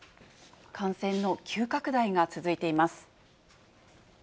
感染の急拡大が続いています。